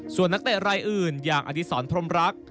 ส่วนนักเตะรายอื่นอย่างอดีศรพรมรัก